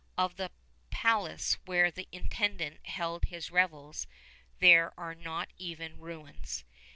Of the palace where the Intendant held his revels there are not even ruins.